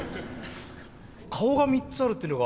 顔が３つあるっていうのが。